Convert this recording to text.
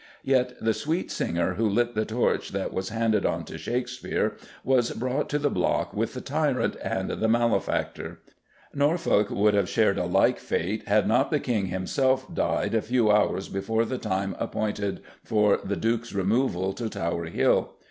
Yet the sweet singer who lit the torch that was handed on to Shakespeare was brought to the block with the tyrant and the malefactor. Norfolk would have shared a like fate, had not the King himself died a few hours before the time appointed for the Duke's removal to Tower Hill.